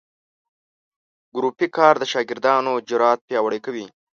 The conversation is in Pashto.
ګروپي کار د شاګردانو جرات پیاوړي کوي.